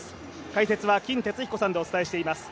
解説は金哲彦さんでお伝えしています。